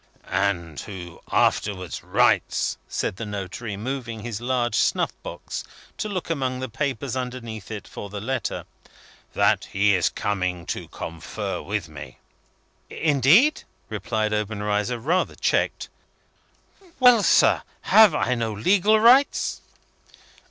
" And who afterwards writes," said the notary, moving his large snuff box to look among the papers underneath it for the letter, "that he is coming to confer with me." "Indeed?" replied Obenreizer, rather checked. "Well, sir. Have I no legal rights?"